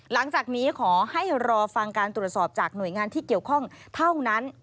หลังจากนี้ขอให้รอฟังการตรวจสอบจากหน่วยงานที่เกี่ยวข้องเท่านั้น